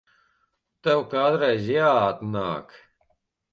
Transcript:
Tev kādreiz jāatnāk.